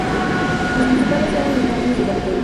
Los principales eran los guardas de cuartel.